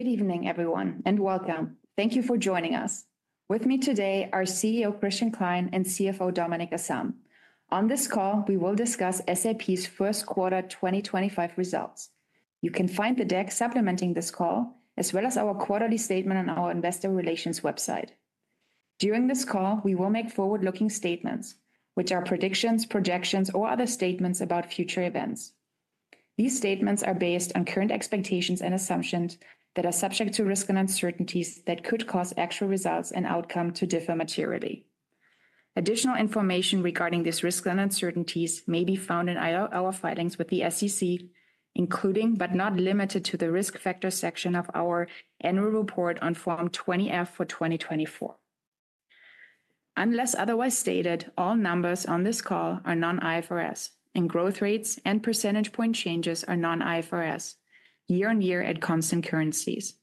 Good evening, everyone, and welcome. Thank you for joining us. With me today are CEO Christian Klein and CFO Dominic Asam. On this call, we will discuss SAP's first quarter 2025 results. You can find the deck supplementing this call, as well as our quarterly statement on our investor relations website. During this call, we will make forward-looking statements, which are predictions, projections, or other statements about future events. These statements are based on current expectations and assumptions that are subject to risk and uncertainties that could cause actual results and outcomes to differ materially. Additional information regarding these risks and uncertainties may be found in our filings with the SEC, including but not limited to the risk factors section of our annual report on Form 20-F for 2024. Unless otherwise stated, all numbers on this call are non-IFRS, and growth rates and percentage point changes are non-IFRS, year-on-year at constant currencies.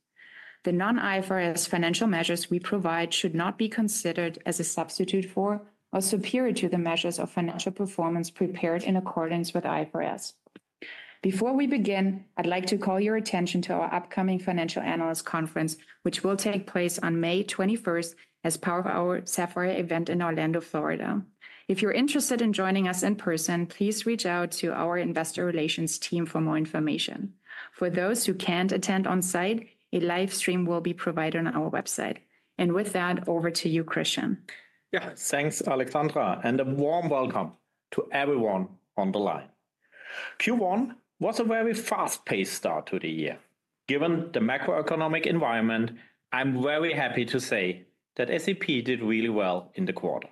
The non-IFRS financial measures we provide should not be considered as a substitute for or superior to the measures of financial performance prepared in accordance with IFRS. Before we begin, I'd like to call your attention to our upcoming financial analyst conference, which will take place on May 21 as part of our SAPPHIRE event in Orlando, Florida. If you're interested in joining us in person, please reach out to our investor relations team for more information. For those who can't attend on site, a live stream will be provided on our website. With that, over to you, Christian. Yeah, thanks, Alexandra, and a warm welcome to everyone on the line. Q1 was a very fast-paced start to the year. Given the macroeconomic environment, I'm very happy to say that SAP did really well in the quarter.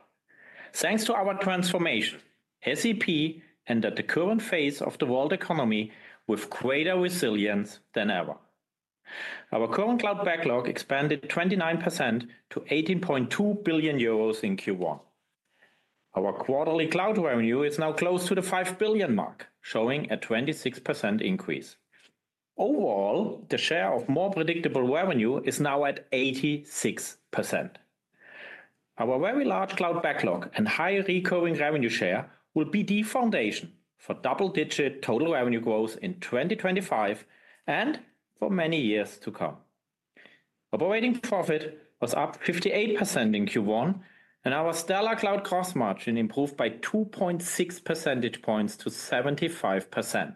Thanks to our transformation, SAP entered the current phase of the world economy with greater resilience than ever. Our current cloud backlog expanded 29% to 18.2 billion euros in Q1. Our quarterly cloud revenue is now close to the 5 billion mark, showing a 26% increase. Overall, the share of more predictable revenue is now at 86%. Our very large cloud backlog and high recurring revenue share will be the foundation for double-digit total revenue growth in 2025 and for many years to come. Operating profit was up 58% in Q1, and our stellar cloud gross margin improved by 2.6 percentage points to 75%.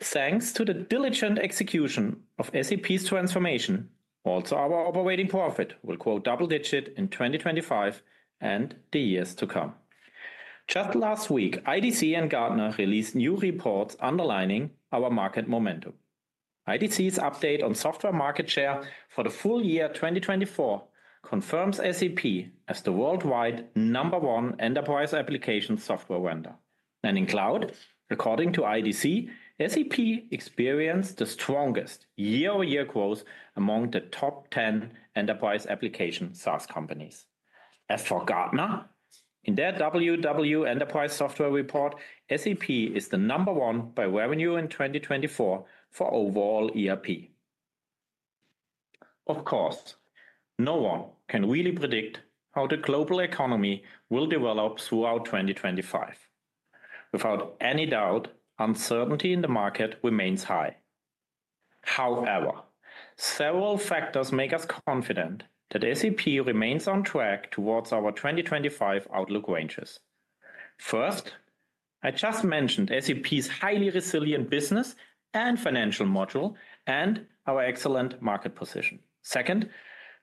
Thanks to the diligent execution of SAP's transformation, also our operating profit will grow double-digit in 2025 and the years to come. Just last week, IDC and Gartner released new reports underlining our market momentum. IDC's update on software market share for the full year 2024 confirms SAP as the worldwide number one enterprise application software vendor. In cloud, according to IDC, SAP experienced the strongest year-on-year growth among the top 10 enterprise application SaaS companies. As for Gartner, in their WW Enterprise Software report, SAP is the number one by revenue in 2024 for overall ERP. Of course, no one can really predict how the global economy will develop throughout 2025. Without any doubt, uncertainty in the market remains high. However, several factors make us confident that SAP remains on track towards our 2025 outlook ranges. First, I just mentioned SAP's highly resilient business and financial module and our excellent market position. Second,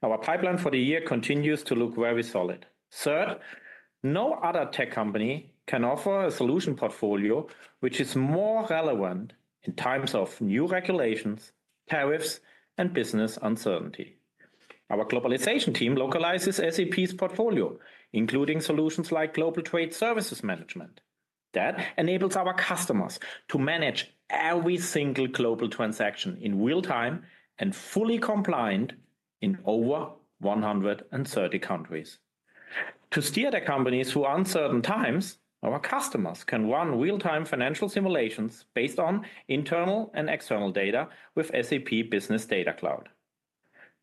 our pipeline for the year continues to look very solid. Third, no other tech company can offer a solution portfolio which is more relevant in times of new regulations, tariffs, and business uncertainty. Our globalization team localizes SAP's portfolio, including solutions like Global Trade Services Management. That enables our customers to manage every single global transaction in real time and fully compliant in over 130 countries. To steer the companies through uncertain times, our customers can run real-time financial simulations based on internal and external data with SAP Business Data Cloud.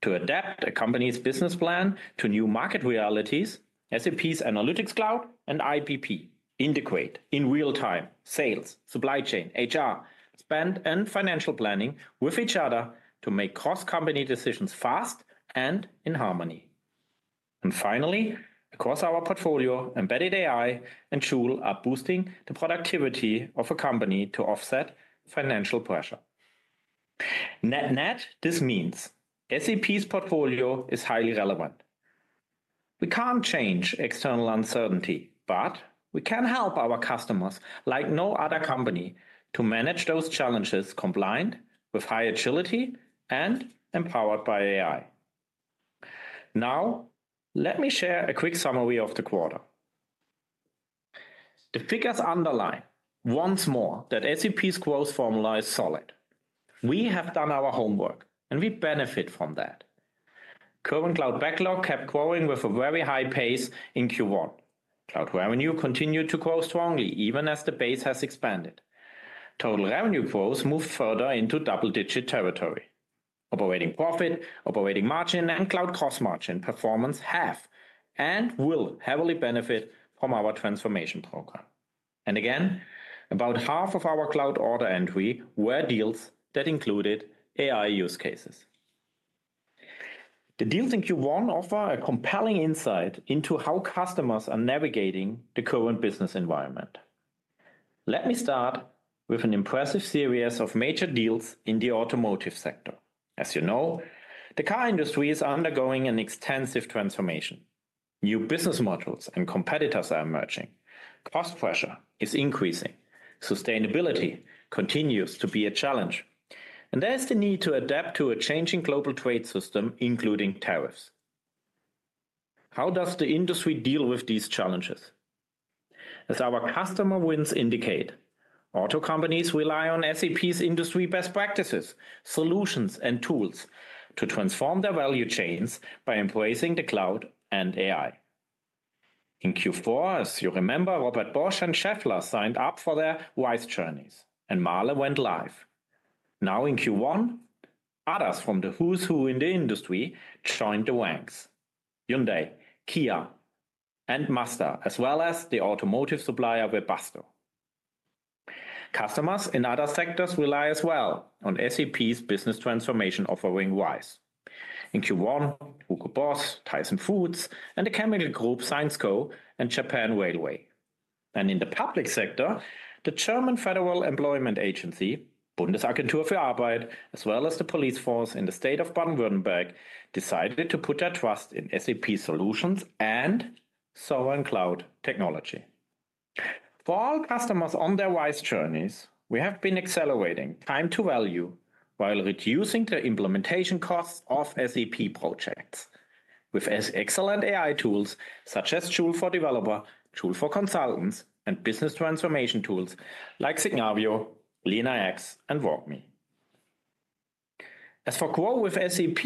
To adapt a company's business plan to new market realities, SAP Analytics Cloud and SAP IBP integrate in real time sales, supply chain, HR, spend, and financial planning with each other to make cross-company decisions fast and in harmony. Finally, across our portfolio, embedded AI and tools are boosting the productivity of a company to offset financial pressure. Net-net this means SAP's portfolio is highly relevant. We can't change external uncertainty, but we can help our customers like no other company to manage those challenges compliant with high agility and empowered by AI. Now, let me share a quick summary of the quarter. The figures underline once more that SAP's growth formula is solid. We have done our homework, and we benefit from that. Current cloud backlog kept growing with a very high pace in Q1. Cloud revenue continued to grow strongly even as the base has expanded. Total revenue growth moved further into double-digit territory. Operating profit, operating margin, and cloud cost margin performance have and will heavily benefit from our transformation program. Again, about half of our cloud order entry were deals that included AI use cases. The deals in Q1 offer a compelling insight into how customers are navigating the current business environment. Let me start with an impressive series of major deals in the automotive sector. As you know, the car industry is undergoing an extensive transformation. New business models and competitors are emerging. Cost pressure is increasing. Sustainability continues to be a challenge. There is the need to adapt to a changing global trade system, including tariffs. How does the industry deal with these challenges? As our customer wins indicate, auto companies rely on SAP's industry best practices, solutions, and tools to transform their value chains by embracing the cloud and AI. In Q4, as you remember, Robert Bosch and Schaeffler signed up for their RISE with SAP, and Mahle went live. Now in Q1, others from the who's who in the industry joined the ranks: Hyundai, Kia, and Mazda, as well as the automotive supplier Webasto. Customers in other sectors rely as well on SAP's business transformation offering Wise. In Q1, HUGO BOSS, Tyson Foods, and the chemical group Syensqo and Japan Railway. In the public sector, the German Federal Employment Agency, Bundesagentur für Arbeit, as well as the police force in the state of Baden-Württemberg, decided to put their trust in SAP solutions and sovereign cloud technology. For all customers on their RISE with SAP, we have been accelerating time to value while reducing the implementation costs of SAP projects with excellent AI tools such as Tool for Developers, Tool for Consultants, and business transformation tools like Signavio, LeanIX, and WalkMe. As for growth with SAP,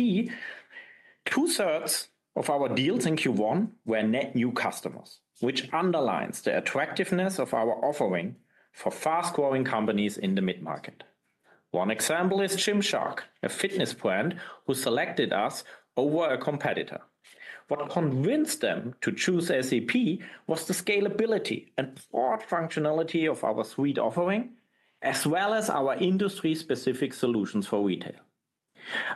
two-thirds of our deals in Q1 were net new customers, which underlines the attractiveness of our offering for fast-growing companies in the mid-market. One example is Gymshark, a fitness brand who selected us over a competitor. What convinced them to choose SAP was the scalability and broad functionality of our suite offering, as well as our industry-specific solutions for retail.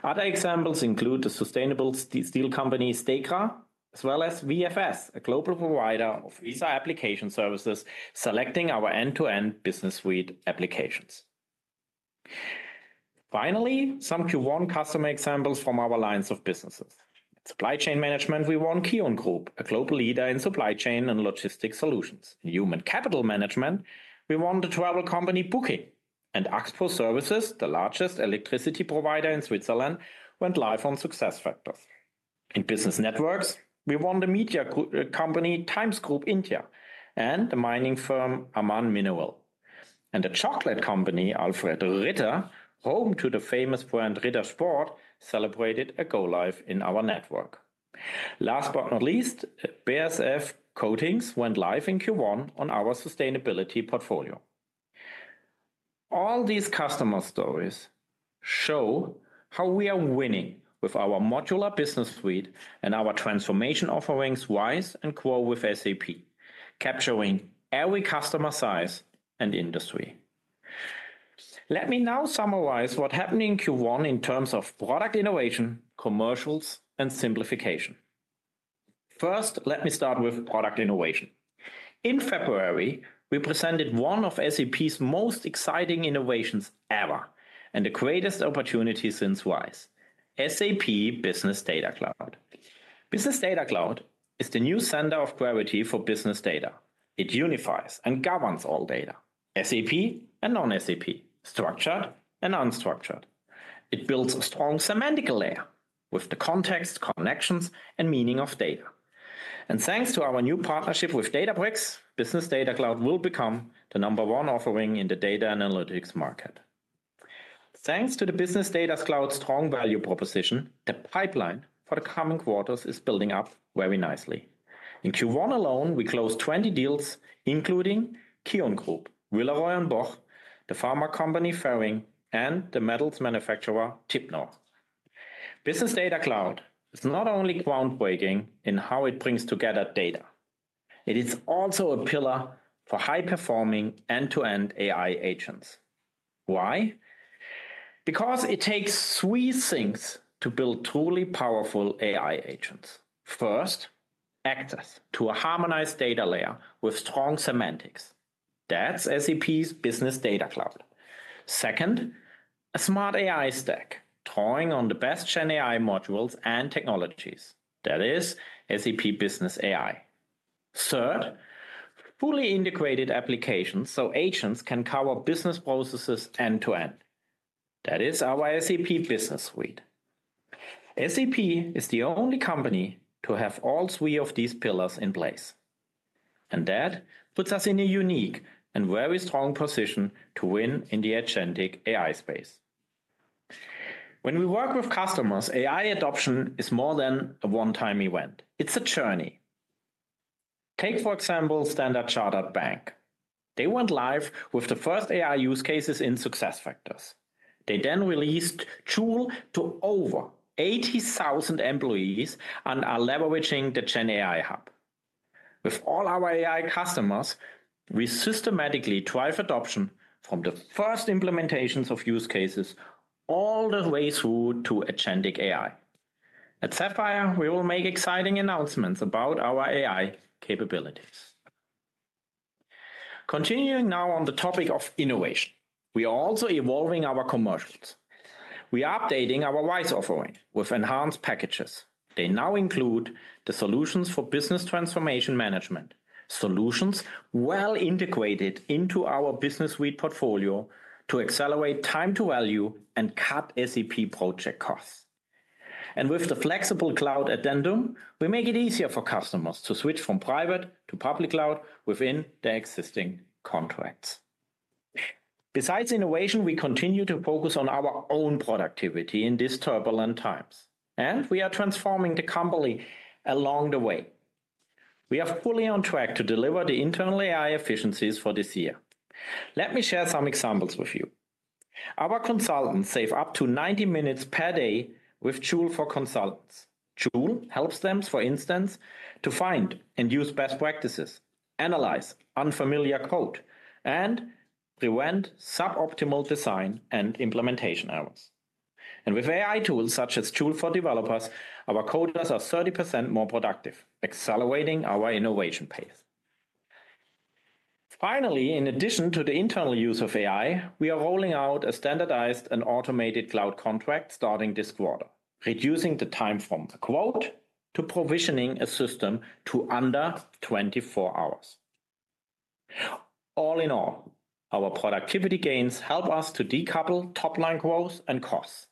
Other examples include the sustainable steel company Stelco, as well as VFS, a global provider of visa application services selecting our end-to-end business suite applications. Finally, some Q1 customer examples from our lines of businesses. In supply chain management, we won Kion Group, a global leader in supply chain and logistics solutions. In human capital management, we won the travel company Booking.com and Axpo Services, the largest electricity provider in Switzerland, went live on SuccessFactors. In business networks, we won the media company Times Group India and the mining firm Amman Mineral. The chocolate company Alfred Ritter, home to the famous brand Ritter Sport, celebrated a go-live in our network. Last but not least, BASF Coatings went live in Q1 on our sustainability portfolio. All these customer stories show how we are winning with our modular business suite and our transformation offerings Wise and Co. with SAP, capturing every customer size and industry. Let me now summarize what happened in Q1 in terms of product innovation, commercials, and simplification. First, let me start with product innovation. In February, we presented one of SAP's most exciting innovations ever and the greatest opportunity since Wise: SAP Business Data Cloud. Business Data Cloud is the new center of gravity for business data. It unifies and governs all data, SAP and non-SAP, structured and unstructured. It builds a strong semantic layer with the context, connections, and meaning of data. Thanks to our new partnership with Databricks, Business Data Cloud will become the number one offering in the data analytics market. Thanks to the Business Data Cloud's strong value proposition, the pipeline for the coming quarters is building up very nicely. In Q1 alone, we closed 20 deals, including Kion Group, Villeroy & Boch, the pharma company Ferring, and the metals manufacturer Tuper. Business Data Cloud is not only groundbreaking in how it brings together data. It is also a pillar for high-performing end-to-end AI agents. Why? Because it takes three things to build truly powerful AI agents. First, access to a harmonized data layer with strong semantics. That is SAP's Business Data Cloud. Second, a smart AI stack drawing on the best GenAI modules and technologies. That is SAP Business AI. Third, fully integrated applications so agents can cover business processes end to end. That is our SAP business suite. SAP is the only company to have all three of these pillars in place. That puts us in a unique and very strong position to win in the agentic AI space. When we work with customers, AI adoption is more than a one-time event. It's a journey. Take, for example, Standard Chartered Bank. They went live with the first AI use cases in SuccessFactors. They then released SAP Joule to over 80,000 employees and are leveraging the GenAI Hub. With all our AI customers, we systematically drive adoption from the first implementations of use cases all the way through to agentic AI. At SAPPHIRE, we will make exciting announcements about our AI capabilities. Continuing now on the topic of innovation, we are also evolving our commercials. We are updating our Wise offering with enhanced packages. They now include the solutions for business transformation management, solutions well integrated into our business suite portfolio to accelerate time to value and cut SAP project costs. With the flexible cloud addendum, we make it easier for customers to switch from private to public cloud within their existing contracts. Besides innovation, we continue to focus on our own productivity in these turbulent times. We are transforming the company along the way. We are fully on track to deliver the internal AI efficiencies for this year. Let me share some examples with you. Our consultants save up to 90 minutes per day with Tool for Consultants. Tool helps them, for instance, to find and use best practices, analyze unfamiliar code, and prevent suboptimal design and implementation errors. With AI tools such as Tool for Developers, our coders are 30% more productive, accelerating our innovation pace. Finally, in addition to the internal use of AI, we are rolling out a standardized and automated cloud contract starting this quarter, reducing the time from the quote to provisioning a system to under 24 hours. All in all, our productivity gains help us to decouple top-line growth and costs.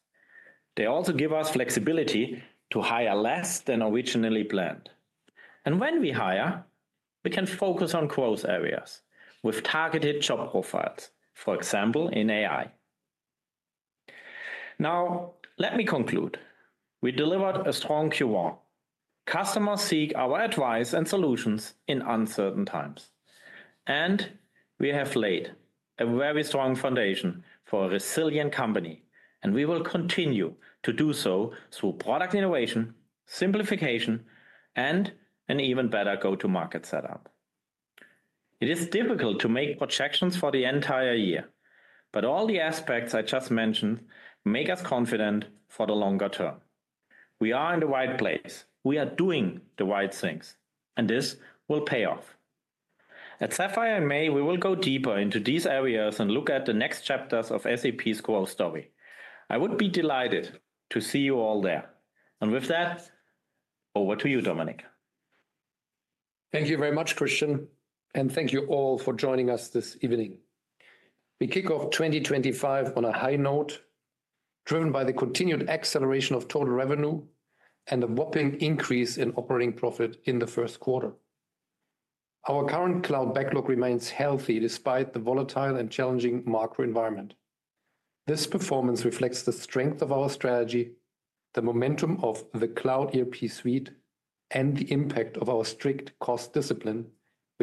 They also give us flexibility to hire less than originally planned. When we hire, we can focus on growth areas with targeted job profiles, for example, in AI. Now, let me conclude. We delivered a strong Q1. Customers seek our advice and solutions in uncertain times. We have laid a very strong foundation for a resilient company. We will continue to do so through product innovation, simplification, and an even better go-to-market setup. It is difficult to make projections for the entire year, but all the aspects I just mentioned make us confident for the longer term. We are in the right place. We are doing the right things, and this will pay off. At SAPPHIRE in May, we will go deeper into these areas and look at the next chapters of SAP's growth story. I would be delighted to see you all there. With that, over to you, Dominik. Thank you very much, Christian. Thank you all for joining us this evening. We kick off 2025 on a high note, driven by the continued acceleration of total revenue and the whopping increase in operating profit in the first quarter. Our current cloud backlog remains healthy despite the volatile and challenging macro environment. This performance reflects the strength of our strategy, the momentum of the Cloud ERP suite, and the impact of our strict cost discipline,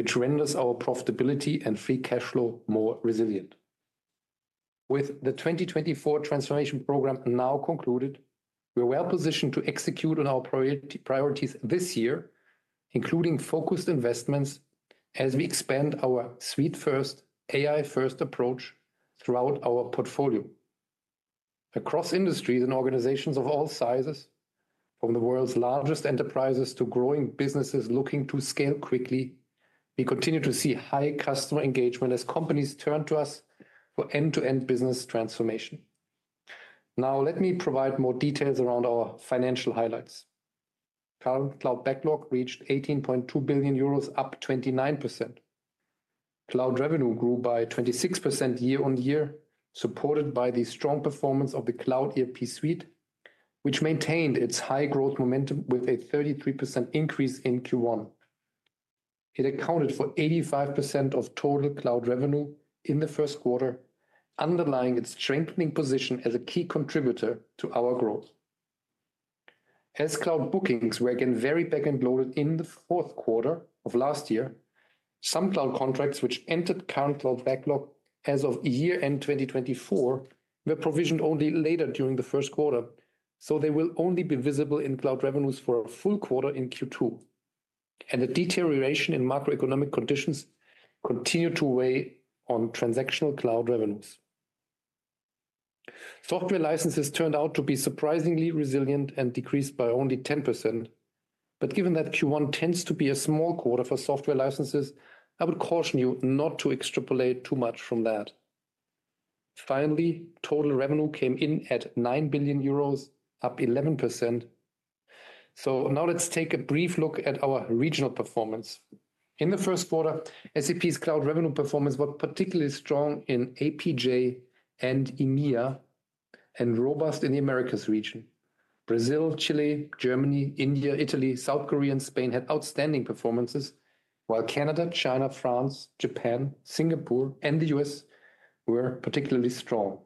which renders our profitability and free cash flow more resilient. With the 2024 transformation program now concluded, we are well positioned to execute on our priorities this year, including focused investments as we expand our suite-first, AI-first approach throughout our portfolio. Across industries and organizations of all sizes, from the world's largest enterprises to growing businesses looking to scale quickly, we continue to see high customer engagement as companies turn to us for end-to-end business transformation. Now, let me provide more details around our financial highlights. Current cloud backlog reached 18.2 billion euros, up 29%. Cloud revenue grew by 26% year on year, supported by the strong performance of the Cloud ERP suite, which maintained its high growth momentum with a 33% increase in Q1. It accounted for 85% of total cloud revenue in the first quarter, underlying its strengthening position as a key contributor to our growth. As cloud bookings were again very back and loaded in the fourth quarter of last year, some cloud contracts which entered current cloud backlog as of year-end 2024 were provisioned only later during the first quarter, so they will only be visible in cloud revenues for a full quarter in Q2. The deterioration in macroeconomic conditions continued to weigh on transactional cloud revenues. Software licenses turned out to be surprisingly resilient and decreased by only 10%. Given that Q1 tends to be a small quarter for software licenses, I would caution you not to extrapolate too much from that. Finally, total revenue came in at 9 billion euros, up 11%. Now let's take a brief look at our regional performance. In the first quarter, SAP's cloud revenue performance was particularly strong in APJ and EMEA and robust in the Americas region. Brazil, Chile, Germany, India, Italy, South Korea, and Spain had outstanding performances, while Canada, China, France, Japan, Singapore, and the U.S. were particularly strong.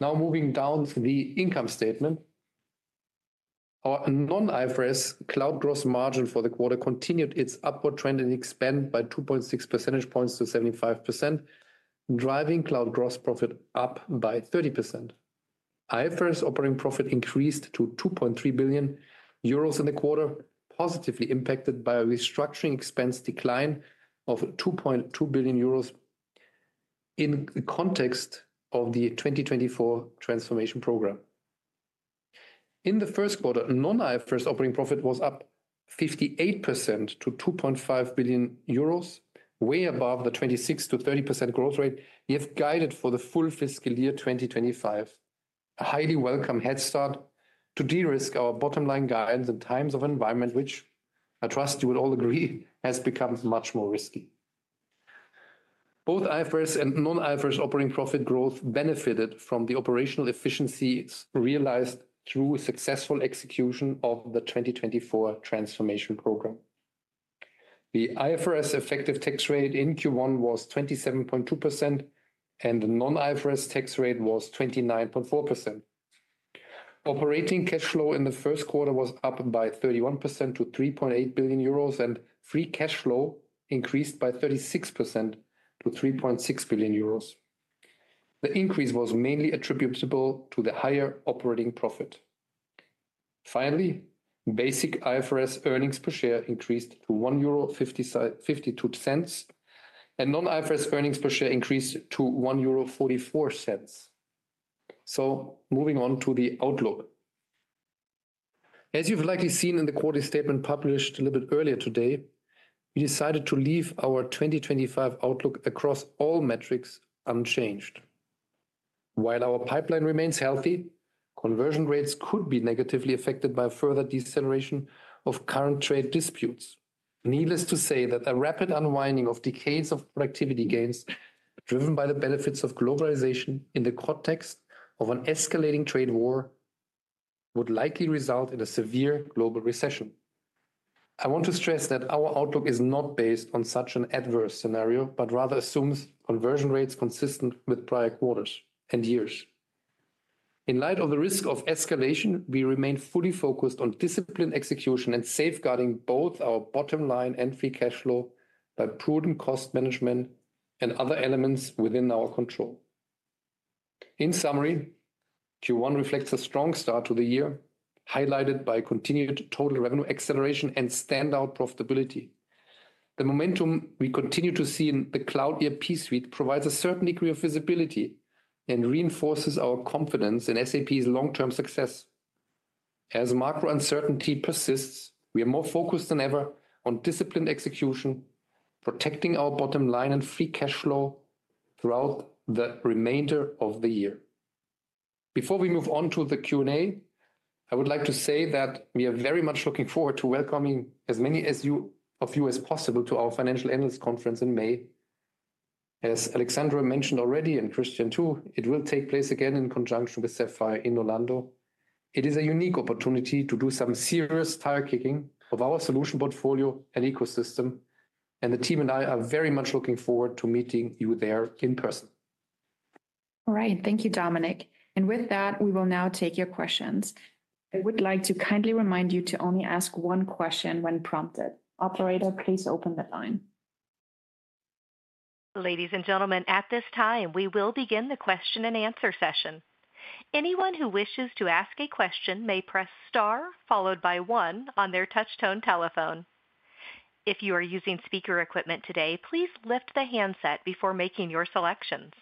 Now moving down the income statement, our non-IFRS cloud gross margin for the quarter continued its upward trend and expanded by 2.6 percentage points to 75%, driving cloud gross profit up by 30%. IFRS operating profit increased to 2.3 billion euros in the quarter, positively impacted by a restructuring expense decline of 2.2 billion euros in the context of the 2024 transformation program. In the first quarter, non-IFRS operating profit was up 58% to 2.5 billion euros, way above the 26%-30% growth rate we have guided for the full fiscal year 2025. A highly welcome headstart to de-risk our bottom-line guidance in times of an environment which, I trust you will all agree, has become much more risky. Both IFRS and non-IFRS operating profit growth benefited from the operational efficiencies realized through successful execution of the 2024 transformation program. The IFRS effective tax rate in Q1 was 27.2%, and the non-IFRS tax rate was 29.4%. Operating cash flow in the first quarter was up by 31% to 3.8 billion euros, and free cash flow increased by 36% to 3.6 billion euros. The increase was mainly attributable to the higher operating profit. Finally, basic IFRS earnings per share increased to 1.52 euro, and non-IFRS earnings per share increased to 1.44 euro. Moving on to the outlook. As you've likely seen in the quarterly statement published a little bit earlier today, we decided to leave our 2025 outlook across all metrics unchanged. While our pipeline remains healthy, conversion rates could be negatively affected by further deceleration of current trade disputes. Needless to say that a rapid unwinding of decades of productivity gains driven by the benefits of globalization in the context of an escalating trade war would likely result in a severe global recession. I want to stress that our outlook is not based on such an adverse scenario, but rather assumes conversion rates consistent with prior quarters and years. In light of the risk of escalation, we remain fully focused on disciplined execution and safeguarding both our bottom line and free cash flow by prudent cost management and other elements within our control. In summary, Q1 reflects a strong start to the year, highlighted by continued total revenue acceleration and standout profitability. The momentum we continue to see in the Cloud ERP suite provides a certain degree of visibility and reinforces our confidence in SAP's long-term success. As macro uncertainty persists, we are more focused than ever on disciplined execution, protecting our bottom line and free cash flow throughout the remainder of the year. Before we move on to the Q&A, I would like to say that we are very much looking forward to welcoming as many of you as possible to our financial analyst conference in May. As Alexandra mentioned already and Christian too, it will take place again in conjunction with SAPPHIRE in Orlando. It is a unique opportunity to do some serious tire-kicking of our solution portfolio and ecosystem, and the team and I are very much looking forward to meeting you there in person. All right, thank you, Dominik. With that, we will now take your questions. I would like to kindly remind you to only ask one question when prompted. Operator, please open the line. Ladies and gentlemen, at this time, we will begin the question and answer session. Anyone who wishes to ask a question may press star followed by one on their touch-tone telephone. If you are using speaker equipment today, please lift the handset before making your selections.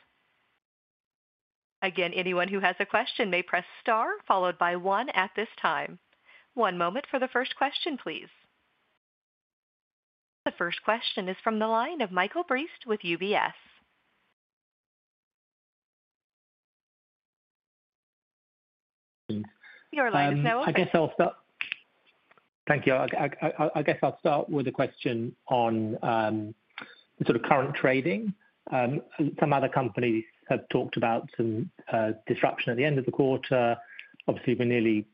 Again, anyone who has a question may press star followed by one at this time. One moment for the first question, please. The first question is from the line of Michael Briest with UBS. Your line, Noah. I guess I'll start. Thank you. I guess I'll start with a question on the sort of current trading. Some other companies have talked about some disruption at the end of the quarter, obviously we're nearly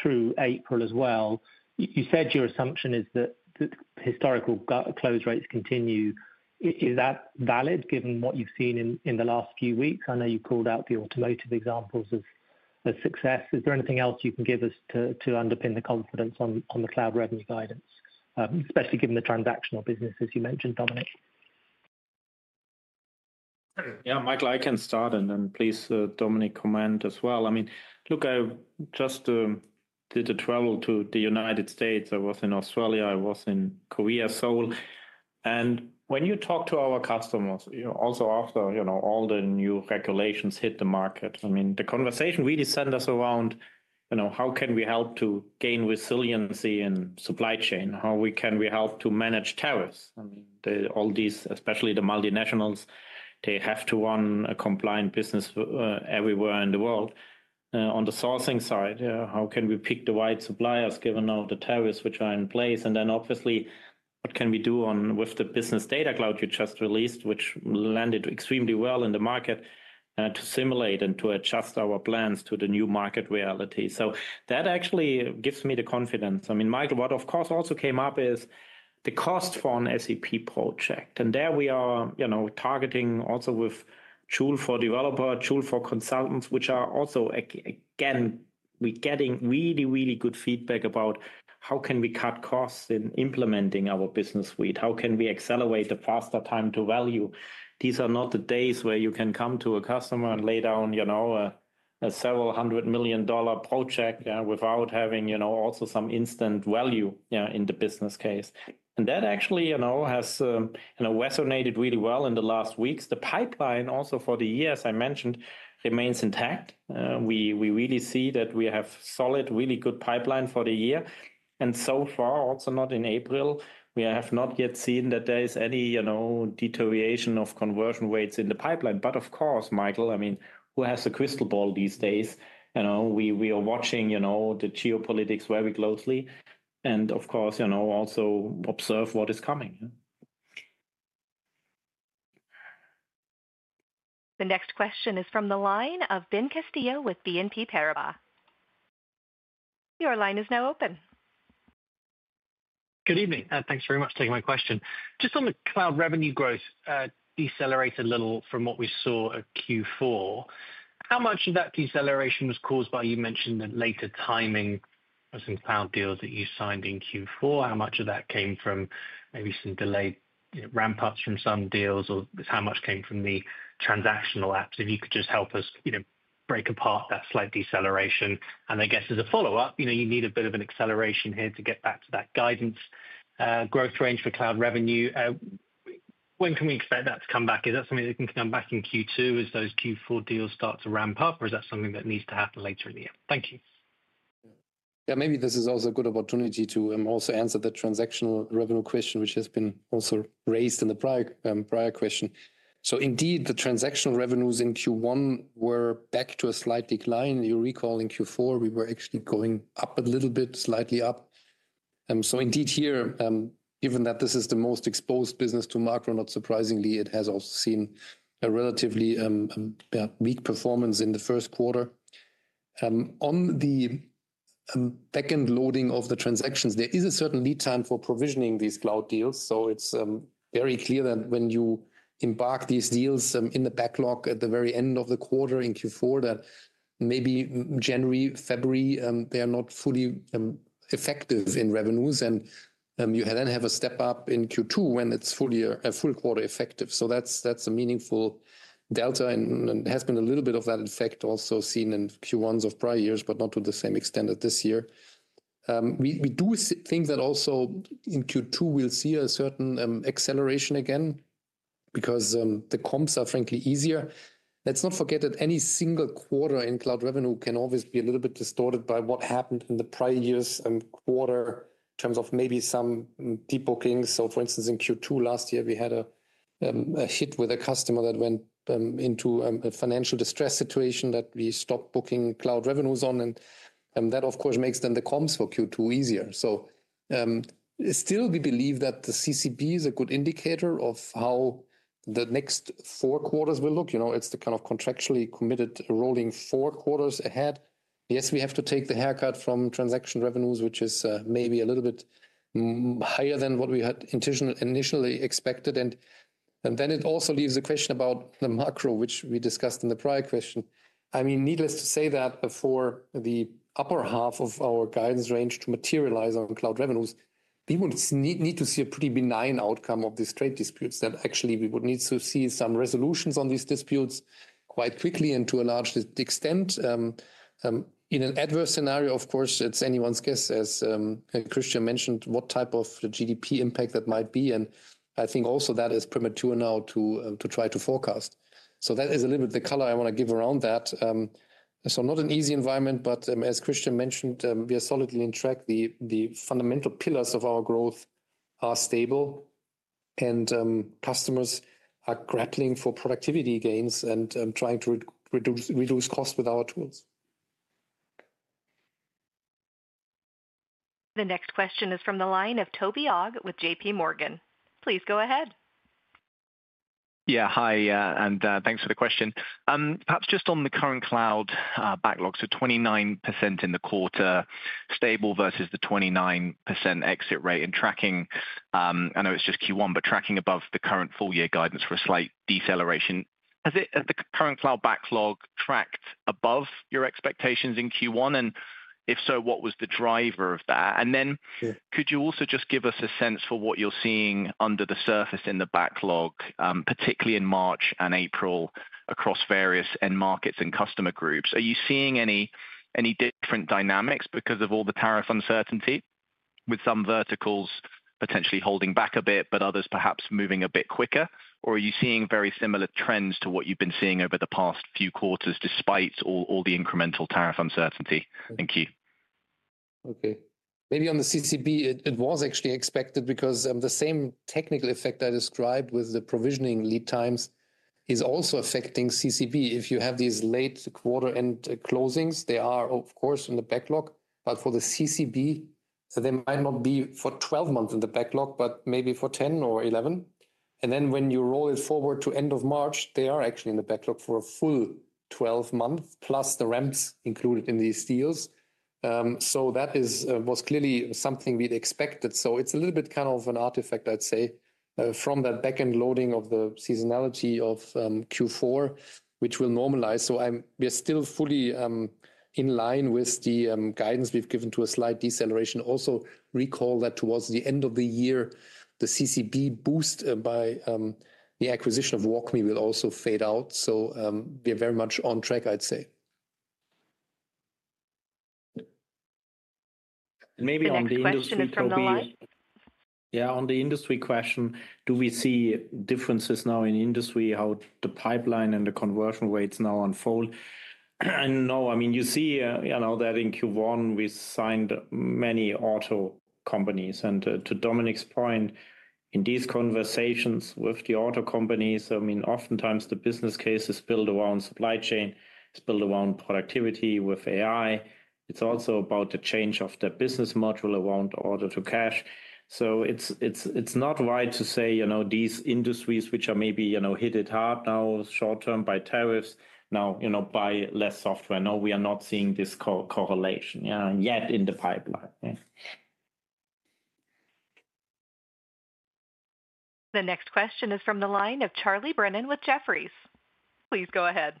through April as well. You said your assumption is that historical close rates continue. Is that valid given what you've seen in the last few weeks? I know you called out the automotive examples of success. Is there anything else you can give us to underpin the confidence on the cloud revenue guidance, especially given the transactional businesses you mentioned, Dominik? Yeah, Michael, I can start, and then please, Dominik, comment as well. I mean, look, I just did a travel to the United States. I was in Australia. I was in Korea, Seoul. When you talk to our customers, also after all the new regulations hit the market, I mean, the conversation really centers around how can we help to gain resiliency in supply chain, how can we help to manage tariffs. I mean, all these, especially the multinationals, they have to run a compliant business everywhere in the world. On the sourcing side, how can we pick the right suppliers given all the tariffs which are in place? What can we do with the Business Data Cloud you just released, which landed extremely well in the market, to simulate and to adjust our plans to the new market reality? That actually gives me the confidence. I mean, Michael, what of course also came up is the cost for an SAP project. There we are targeting also with tools for developers, tools for consultants, which are also, again, we're getting really, really good feedback about. How can we cut costs in implementing our business suite? How can we accelerate the faster time to value? These are not the days where you can come to a customer and lay down a several hundred million dollar project without having also some instant value in the business case. That actually has resonated really well in the last weeks. The pipeline also for the year, as I mentioned, remains intact. We really see that we have a solid, really good pipeline for the year. So far, also not in April, we have not yet seen that there is any deterioration of conversion rates in the pipeline. Of course, Michael, I mean, who has the crystal ball these days? We are watching the geopolitics very closely. Of course, also observe what is coming. The next question is from the line of Ben Castillo with BNP Paribas. Your line is now open. Good evening. Thanks very much for taking my question. Just on the cloud revenue growth, decelerated a little from what we saw at Q4. How much of that deceleration was caused by, you mentioned, the later timing of some cloud deals that you signed in Q4? How much of that came from maybe some delayed ramp-ups from some deals, or how much came from the transactional apps? If you could just help us break apart that slight deceleration. I guess as a follow-up, you need a bit of an acceleration here to get back to that guidance growth range for cloud revenue. When can we expect that to come back? Is that something that can come back in Q2 as those Q4 deals start to ramp up, or is that something that needs to happen later in the year? Thank you. Yeah, maybe this is also a good opportunity to also answer the transactional revenue question, which has been also raised in the prior question. Indeed, the transactional revenues in Q1 were back to a slight decline. You recall in Q4, we were actually going up a little bit, slightly up. Indeed here, given that this is the most exposed business to macro, not surprisingly, it has also seen a relatively weak performance in the first quarter. On the back-end loading of the transactions, there is a certain lead time for provisioning these cloud deals. It is very clear that when you embark these deals in the backlog at the very end of the quarter in Q4, that maybe January, February, they are not fully effective in revenues. You then have a step up in Q2 when it is fully a full quarter effective. That is a meaningful delta. There has been a little bit of that effect also seen in Q1s of prior years, but not to the same extent as this year. We do think that also in Q2, we'll see a certain acceleration again because the comps are frankly easier. Let's not forget that any single quarter in cloud revenue can always be a little bit distorted by what happened in the prior year's quarter in terms of maybe some deep bookings. For instance, in Q2 last year, we had a hit with a customer that went into a financial distress situation that we stopped booking cloud revenues on. That, of course, makes then the comps for Q2 easier. Still, we believe that the CCB is a good indicator of how the next four quarters will look. It's the kind of contractually committed rolling four quarters ahead. Yes, we have to take the haircut from transaction revenues, which is maybe a little bit higher than what we had initially expected. It also leaves the question about the macro, which we discussed in the prior question. I mean, needless to say that before the upper half of our guidance range to materialize on cloud revenues, we would need to see a pretty benign outcome of these trade disputes. Actually, we would need to see some resolutions on these disputes quite quickly and to a large extent. In an adverse scenario, of course, it's anyone's guess, as Christian mentioned, what type of GDP impact that might be. I think also that is premature now to try to forecast. That is a little bit the color I want to give around that. Not an easy environment, but as Christian mentioned, we are solidly in track. The fundamental pillars of our growth are stable, and customers are grappling for productivity gains and trying to reduce costs with our tools. The next question is from the line of Toby Ogg with JP Morgan. Please go ahead. Yeah, hi, and thanks for the question. Perhaps just on the current cloud backlog, so 29% in the quarter stable versus the 29% exit rate and tracking, I know it's just Q1, but tracking above the current full-year guidance for a slight deceleration. Has the current cloud backlog tracked above your expectations in Q1? If so, what was the driver of that? Could you also just give us a sense for what you're seeing under the surface in the backlog, particularly in March and April across various end markets and customer groups? Are you seeing any different dynamics because of all the tariff uncertainty, with some verticals potentially holding back a bit, but others perhaps moving a bit quicker? Are you seeing very similar trends to what you've been seeing over the past few quarters despite all the incremental tariff uncertainty? Thank you. Okay. Maybe on the CCB, it was actually expected because the same technical effect I described with the provisioning lead times is also affecting CCB. If you have these late quarter-end closings, they are, of course, in the backlog. For the CCB, they might not be for 12 months in the backlog, but maybe for 10 or 11. When you roll it forward to end of March, they are actually in the backlog for a full 12 months plus the ramps included in these deals. That was clearly something we expected. It is a little bit kind of an artifact, I'd say, from that back-end loading of the seasonality of Q4, which will normalize. We are still fully in line with the guidance we've given to a slight deceleration. Also recall that towards the end of the year, the CCB boost by the acquisition of WalkMe will also fade out. We are very much on track, I'd say. Maybe on the industry question, Toby. Yeah, on the industry question, do we see differences now in industry, how the pipeline and the conversion rates now unfold? No, I mean, you see that in Q1, we signed many auto companies. And to Dominik's point, in these conversations with the auto companies, I mean, oftentimes the business case is built around supply chain, is built around productivity with AI. It's also about the change of the business model around order to cash. It is not right to say these industries, which are maybe hit hard now short-term by tariffs, now buy less software. No, we are not seeing this correlation yet in the pipeline. The next question is from the line of Charlie Brennan with Jefferies. Please go ahead.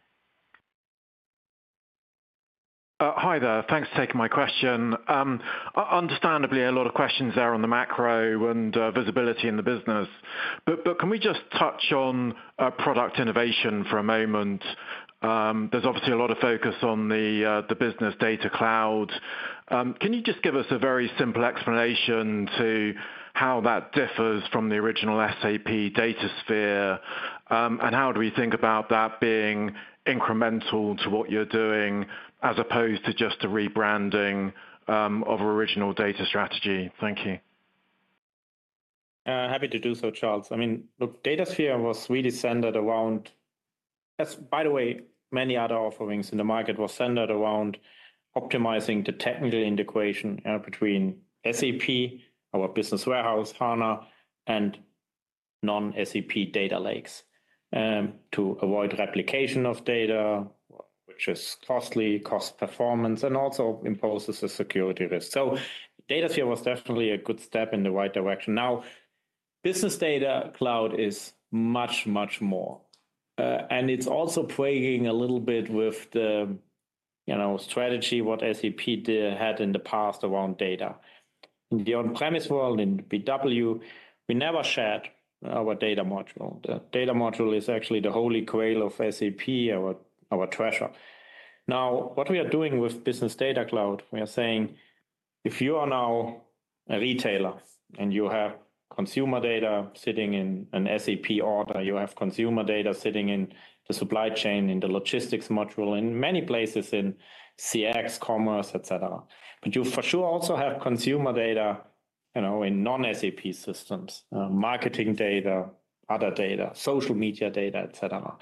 Hi there. Thanks for taking my question. Understandably, a lot of questions there on the macro and visibility in the business. Can we just touch on product innovation for a moment? There is obviously a lot of focus on the Business Data Cloud. Can you just give us a very simple explanation to how that differs from the original SAP Datasphere? How do we think about that being incremental to what you are doing as opposed to just a rebranding of original data strategy? Thank you. Happy to do so, Charles. I mean, look, Datasphere was really centered around, by the way, many other offerings in the market were centered around optimizing the technical integration between SAP, our Business Warehouse, HANA, and non-SAP data lakes to avoid replication of data, which is costly, cost performance, and also imposes a security risk. Datasphere was definitely a good step in the right direction. Now, Business Data Cloud is much, much more. And it's also plaguing a little bit with the strategy what SAP had in the past around data. In the on-premise world, in BW, we never shared our data module. The data module is actually the Holy Grail of SAP, our treasure. Now, what we are doing with Business Data Cloud, we are saying, if you are now a retailer and you have consumer data sitting in an SAP order, you have consumer data sitting in the supply chain, in the logistics module, in many places in CX, commerce, etc. You for sure also have consumer data in non-SAP systems, marketing data, other data, social media data, etc.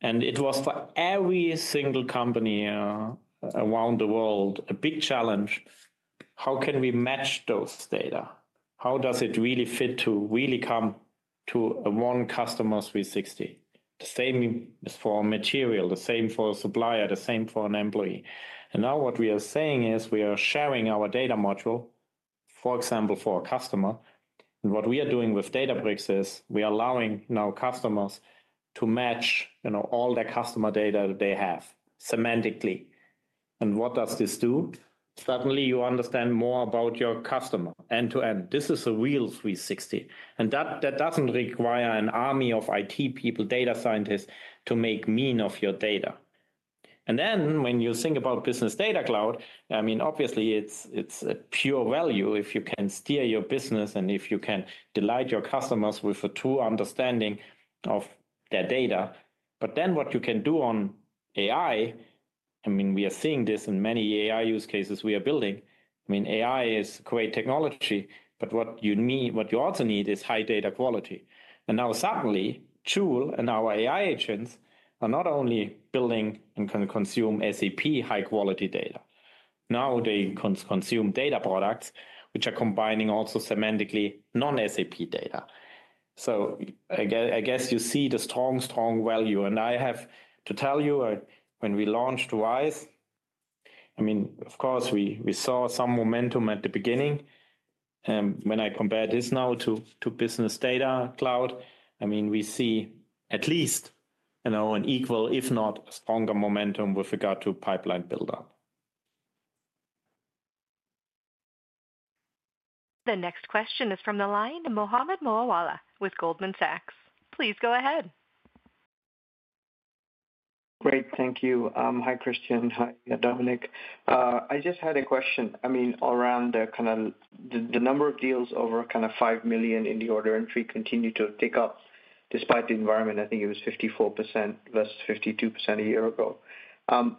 It was for every single company around the world a big challenge. How can we match those data? How does it really fit to really come to one customer's 360? The same is for material, the same for a supplier, the same for an employee. Now what we are saying is we are sharing our data module, for example, for a customer. What we are doing with Databricks is we are allowing now customers to match all their customer data that they have semantically. What does this do? Suddenly, you understand more about your customer end to end. This is a real 360. That does not require an army of IT people, data scientists to make mean of your data. When you think about business data cloud, I mean, obviously, it is a pure value if you can steer your business and if you can delight your customers with a true understanding of their data. What you can do on AI, I mean, we are seeing this in many AI use cases we are building. I mean, AI is great technology, but what you also need is high data quality. Now suddenly, Tool and our AI agents are not only building and can consume SAP high-quality data. Now they consume data products, which are combining also semantically non-SAP data. I guess you see the strong, strong value. I have to tell you, when we launched Wise, I mean, of course, we saw some momentum at the beginning. When I compare this now to business data cloud, I mean, we see at least an equal, if not stronger momentum with regard to pipeline build-up. The next question is from the line of Mohammed Moawalla with Goldman Sachs. Please go ahead. Great. Thank you. Hi, Christian. Hi, Dominic. I just had a question. I mean, around the number of deals over kind of $5 million in the order entry continue to tick up despite the environment. I think it was 54% versus 52% a year ago.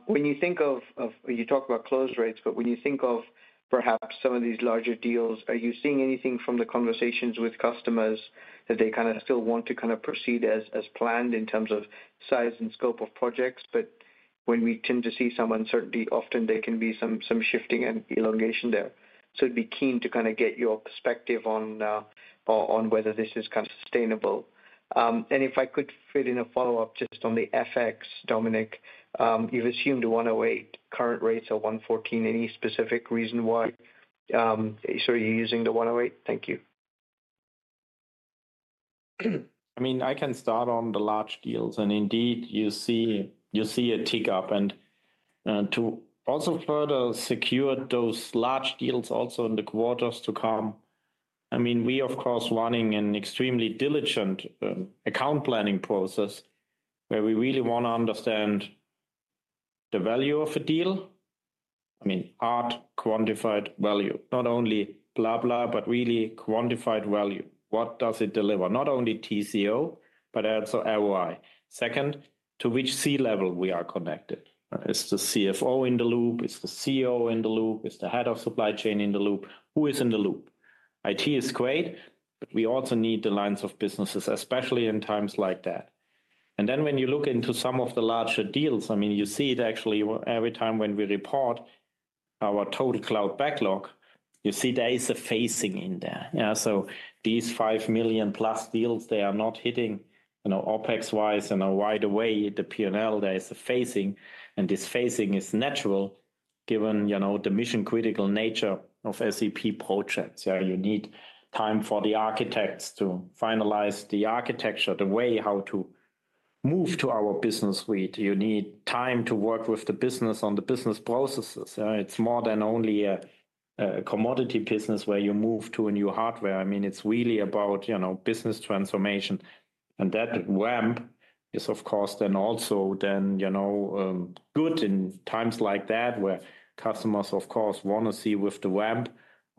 When you think of, you talk about close rates, but when you think of perhaps some of these larger deals, are you seeing anything from the conversations with customers that they kind of still want to kind of proceed as planned in terms of size and scope of projects? When we tend to see some uncertainty, often there can be some shifting and elongation there. I would be keen to kind of get your perspective on whether this is kind of sustainable. If I could fit in a follow-up just on the FX, Dominic, you've assumed the 1.08 current rates are 1.14. Any specific reason why you're using the 1.08? Thank you. I mean, I can start on the large deals. Indeed, you see a tick up. To also further secure those large deals in the quarters to come, we are of course running an extremely diligent account planning process where we really want to understand the value of a deal. I mean, hard quantified value, not only blah, blah, but really quantified value. What does it deliver? Not only TCO, but also ROI. Second, to which C-level we are connected? Is the CFO in the loop? Is the COO in the loop? Is the head of supply chain in the loop? Who is in the loop? IT is great, but we also need the lines of businesses, especially in times like that. When you look into some of the larger deals, you see it actually every time when we report our total cloud backlog, you see there is a phasing in there. These 5 million plus deals, they are not hitting OpEx-wise in a wide way at the P&L. There is a phasing. This phasing is natural given the mission-critical nature of SAP projects. You need time for the architects to finalize the architecture, the way how to move to our business suite. You need time to work with the business on the business processes. It's more than only a commodity business where you move to a new hardware. I mean, it's really about business transformation. That ramp is of course then also then good in times like that where customers of course want to see with the ramp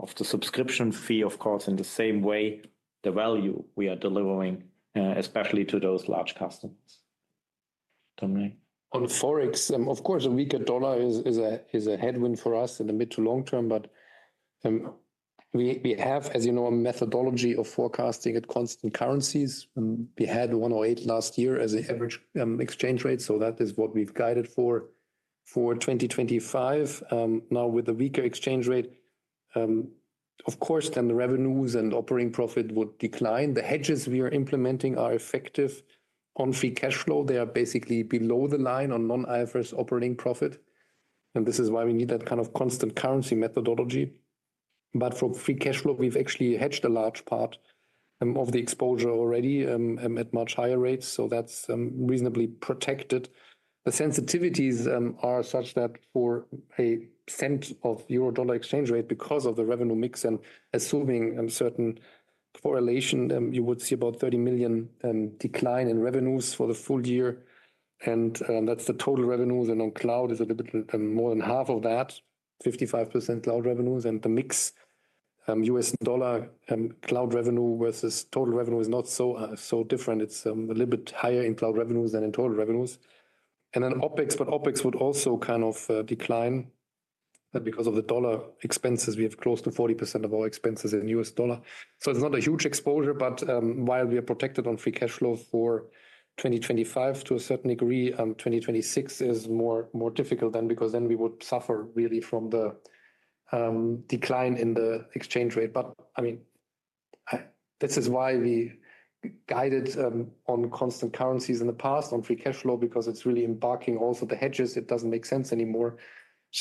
of the subscription fee, of course, in the same way the value we are delivering, especially to those large customers. Dominic? On Forex, of course, a weaker dollar is a headwind for us in the mid to long term. We have, as you know, a methodology of forecasting at constant currencies. We had 1.08 last year as the average exchange rate. That is what we've guided for 2025. Now with a weaker exchange rate, of course, the revenues and operating profit would decline. The hedges we are implementing are effective on free cash flow. They are basically below the line on non-IFRS operating profit. This is why we need that kind of constant currency methodology. For free cash flow, we've actually hedged a large part of the exposure already at much higher rates. That is reasonably protected. The sensitivities are such that for a cent of euro dollar exchange rate, because of the revenue mix and assuming a certain correlation, you would see about 30 million decline in revenues for the full year. That is the total revenues. On cloud, it's a little bit more than half of that, 55% cloud revenues. The mix, US dollar cloud revenue versus total revenue, is not so different. It's a little bit higher in cloud revenues than in total revenues. Opex would also kind of decline because of the dollar expenses. We have close to 40% of our expenses in US dollar. It's not a huge exposure, but while we are protected on free cash flow for 2025 to a certain degree, 2026 is more difficult then because then we would suffer really from the decline in the exchange rate. I mean, this is why we guided on constant currencies in the past on free cash flow because it's really embarking also the hedges. It doesn't make sense anymore.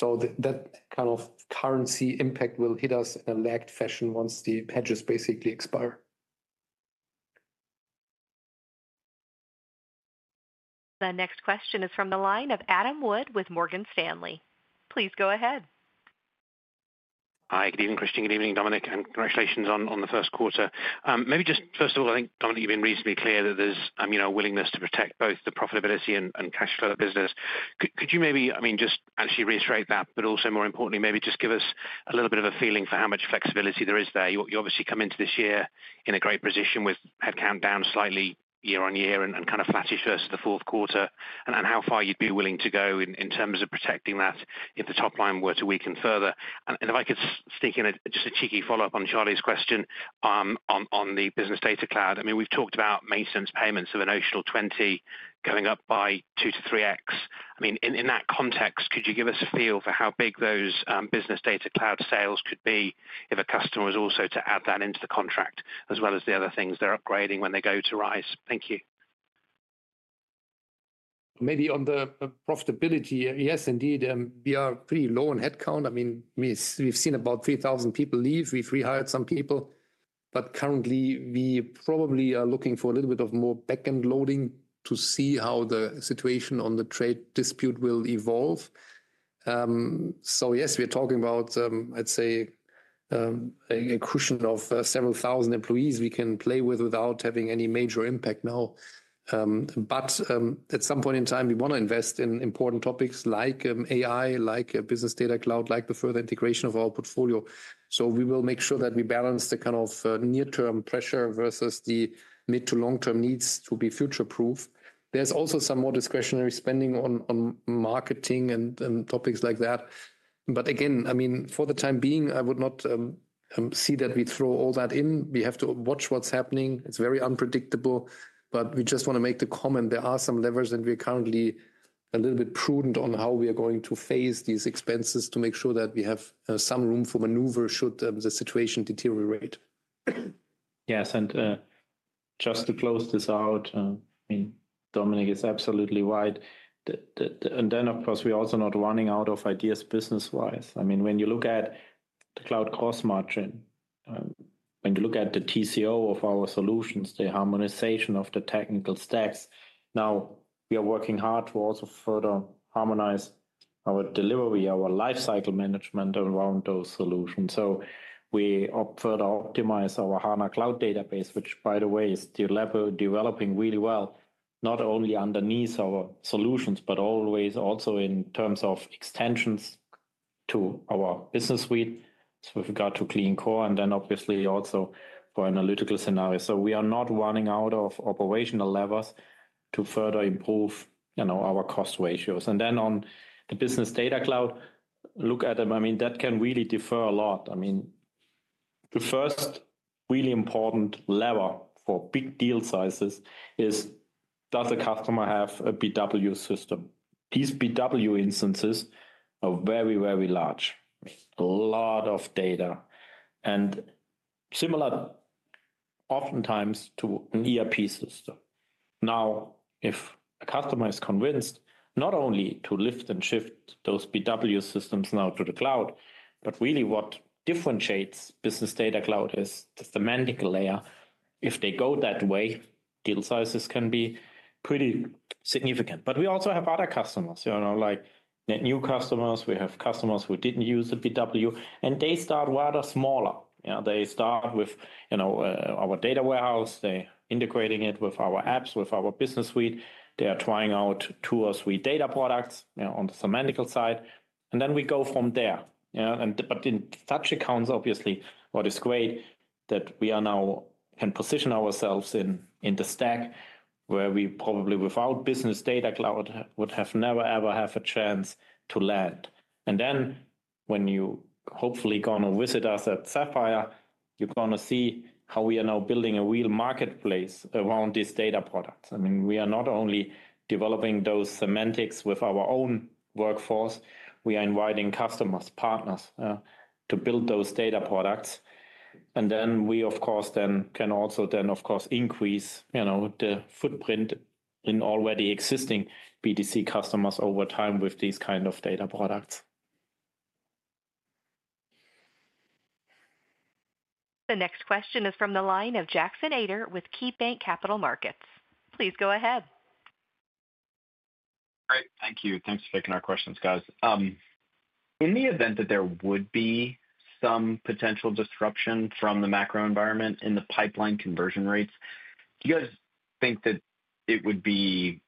That kind of currency impact will hit us in a lagged fashion once the hedges basically expire. The next question is from the line of Adam Wood with Morgan Stanley. Please go ahead. Hi, good evening, Christian. Good evening, Dominic. Congratulations on the first quarter. Maybe just first of all, I think, Dominic, you've been reasonably clear that there's a willingness to protect both the profitability and cash flow of the business. Could you maybe, I mean, just actually reiterate that, but also more importantly, maybe just give us a little bit of a feeling for how much flexibility there is there? You obviously come into this year in a great position with headcount down slightly year on year and kind of flattish versus the fourth quarter and how far you'd be willing to go in terms of protecting that if the top line were to weaken further. If I could sneak in just a cheeky follow-up on Charlie's question on the Business Data Cloud, I mean, we've talked about maintenance payments of an additional 20 coming up by 2-3x. I mean, in that context, could you give us a feel for how big those Business Data Cloud sales could be if a customer is also to add that into the contract as well as the other things they're upgrading when they go to RISE? Thank you. Maybe on the profitability, yes, indeed, we are pretty low on headcount. I mean, we've seen about 3,000 people leave. We've rehired some people. Currently, we probably are looking for a little bit of more back-end loading to see how the situation on the trade dispute will evolve. Yes, we're talking about, I'd say, a cushion of several thousand employees we can play with without having any major impact now. At some point in time, we want to invest in important topics like AI, like Business Data Cloud, like the further integration of our portfolio. We will make sure that we balance the kind of near-term pressure versus the mid to long-term needs to be future-proof. There's also some more discretionary spending on marketing and topics like that. Again, I mean, for the time being, I would not see that we throw all that in. We have to watch what's happening. It's very unpredictable. We just want to make the comment there are some levers and we're currently a little bit prudent on how we are going to phase these expenses to make sure that we have some room for maneuver should the situation deteriorate. Yes. Just to close this out, I mean, Dominic is absolutely right. Of course, we're also not running out of ideas business-wise. I mean, when you look at the cloud cost margin, when you look at the TCO of our solutions, the harmonization of the technical stacks, now we are working hard to also further harmonize our delivery, our lifecycle management around those solutions. We further optimize our HANA Cloud database, which, by the way, is developing really well, not only underneath our solutions, but always also in terms of extensions to our business suite with regard to clean core and then obviously also for analytical scenarios. We are not running out of operational levers to further improve our cost ratios. On the Business Data Cloud, look at them. I mean, that can really differ a lot. I mean, the first really important lever for big deal sizes is, does the customer have a BW system? These BW instances are very, very large. A lot of data and similar oftentimes to an ERP system. Now, if a customer is convinced not only to lift and shift those BW systems now to the cloud, but really what differentiates Business Data Cloud is the semantic layer. If they go that way, deal sizes can be pretty significant. We also have other customers, like new customers. We have customers who did not use the BW, and they start rather smaller. They start with our data warehouse. They are integrating it with our apps, with our business suite. They are trying out tools with data products on the semantical side. We go from there. In such accounts, obviously, what is great is that we now can position ourselves in the stack where we probably, without Business Data Cloud, would have never, ever had a chance to land. When you hopefully go on and visit us at SAPPHIRE, you are going to see how we are now building a real marketplace around these data products. I mean, we are not only developing those semantics with our own workforce. We are inviting customers, partners to build those data products. We, of course, then can also increase the footprint in already existing BDC customers over time with these kind of data products. The next question is from the line of Jackson Ader with Key Bank Capital Markets. Please go ahead. Great. Thank you. Thanks for taking our questions, guys. In the event that there would be some potential disruption from the macro environment in the pipeline conversion rates, do you guys think that it would be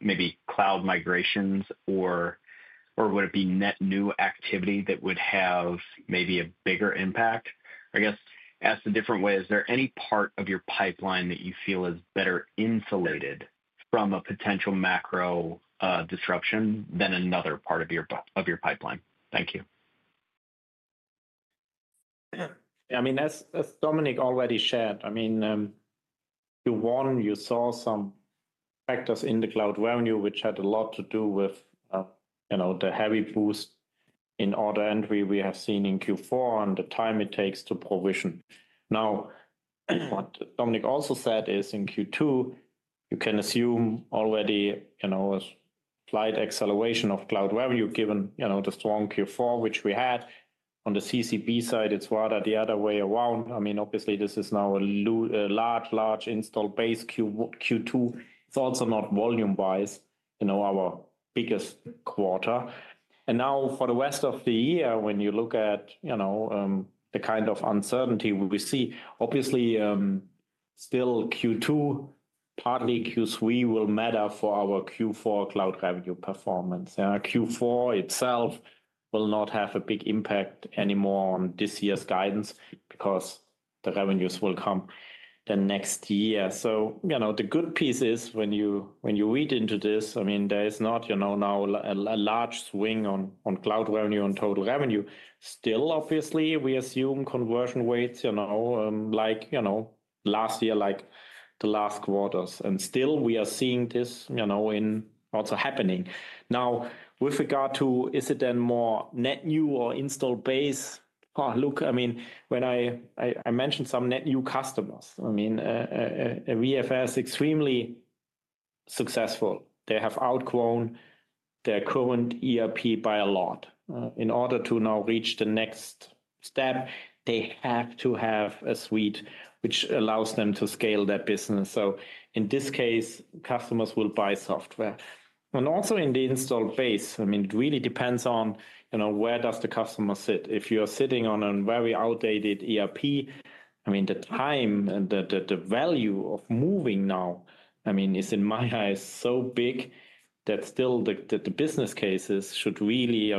maybe cloud migrations or would it be net new activity that would have maybe a bigger impact? I guess asked a different way. Is there any part of your pipeline that you feel is better insulated from a potential macro disruption than another part of your pipeline? Thank you. Yeah. I mean, as Dominic already shared, I mean, Q1, you saw some factors in the cloud revenue, which had a lot to do with the heavy boost in order entry we have seen in Q4 and the time it takes to provision. Now, what Dominic also said is in Q2, you can assume already a slight acceleration of cloud revenue given the strong Q4, which we had. On the CCB side, it's rather the other way around. I mean, obviously, this is now a large, large install base Q2. It's also not volume-wise our biggest quarter. Now for the rest of the year, when you look at the kind of uncertainty we see, obviously, still Q2, partly Q3 will matter for our Q4 cloud revenue performance. Q4 itself will not have a big impact anymore on this year's guidance because the revenues will come the next year. The good piece is when you read into this, I mean, there is not now a large swing on cloud revenue and total revenue. Still, obviously, we assume conversion rates like last year, like the last quarters. Still, we are seeing this also happening. Now, with regard to, is it then more net new or install base? Look, I mean, when I mentioned some net new customers, I mean, VFS is extremely successful. They have outgrown their current ERP by a lot. In order to now reach the next step, they have to have a suite which allows them to scale their business. In this case, customers will buy software. Also in the install base, I mean, it really depends on where does the customer sit. If you're sitting on a very outdated ERP, I mean, the time and the value of moving now, I mean, is in my eyes so big that still the business cases should really